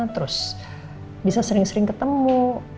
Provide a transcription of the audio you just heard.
terus bisa sering sering ketemu